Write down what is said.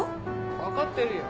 分かってるよ。